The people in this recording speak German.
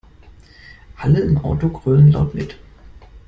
Alle im Auto grölen laut mit.